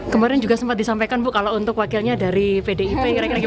kemarin juga sempat disampaikan bu kalau untuk wakilnya dari pdip kira kira gitu